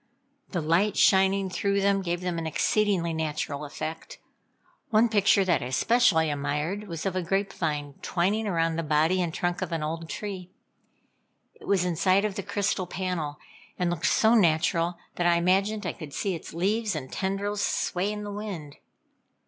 The light shining through them gave them an exceedingly natural effect. One picture that I especially admired, was of a grape vine twining around the body and trunk of an old tree. It was inside of the crystal panel, and looked so natural that I imagined I could see its leaves and tendrils sway in the wind.